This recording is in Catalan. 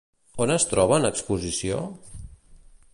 On es troba en exposició?